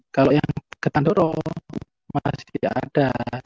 kalau yang ke tandoro masih ada